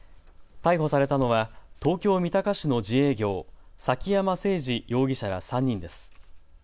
逮捕されたのは東京三鷹市の自営業、崎山聖児容疑者ら３人です。